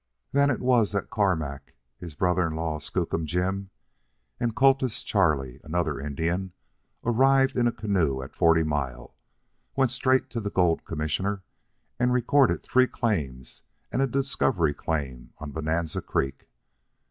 Then it was that Carmack, his brother in law, Skookum Jim, and Cultus Charlie, another Indian, arrived in a canoe at Forty Mile, went straight to the gold commissioner, and recorded three claims and a discovery claim on Bonanza Creek.